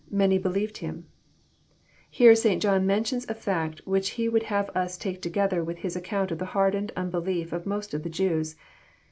many believed him,'] Here St. John mentions a fact wbich he would have us take together with his account of the hardened unbelief of most of the Jews.